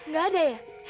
gak ada ya